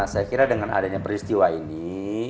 saya kira dengan adanya peristiwa ini